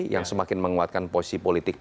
yang semakin menguatkan posisi politik